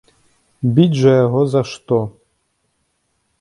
Біць жа яго за што?!